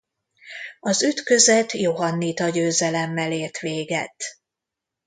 Az ütközet johannita győzelemmel ért véget.